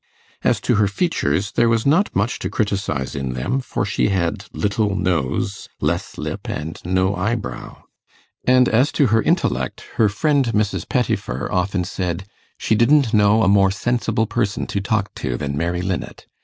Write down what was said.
As to her features, there was not much to criticize in them, for she had little nose, less lip, and no eyebrow; and as to her intellect, her friend Mrs. Pettifer often said: 'She didn't know a more sensible person to talk to than Mary Linnet.